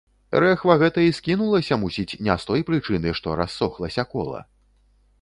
Рэхва гэта і скінулася, мусіць, не з той прычыны, што рассохлася кола.